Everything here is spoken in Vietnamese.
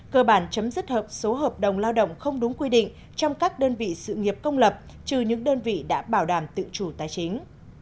cơ bản chấm dứt hợp số hợp đồng lao động không đúng quy định trong các đơn vị sự nghiệp công lập trừ những đơn vị đã bảo đảm tự chủ tài chính